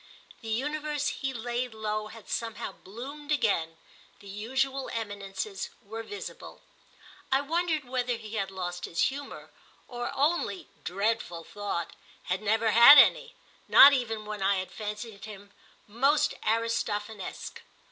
The universe he laid low had somehow bloomed again—the usual eminences were visible. I wondered whether he had lost his humour, or only, dreadful thought, had never had any—not even when I had fancied him most Aristophanesque.